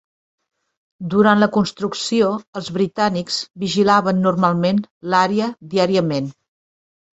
Durant la construcció, els britànics vigilaven normalment l'àrea diàriament.